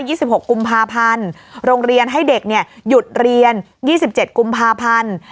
สิบหกกุมภาพันธ์โรงเรียนให้เด็กเนี่ยหยุดเรียนยี่สิบเจ็ดกุมภาพันธ์